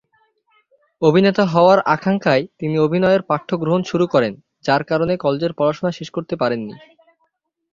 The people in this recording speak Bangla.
অভিনেতা হওয়ার আকাঙ্ক্ষায় তিনি অভিনয়ের পাঠ্য গ্রহণ শুরু করেন যার কারণে কলেজের পড়াশোনা শেষ করতে পারেননি।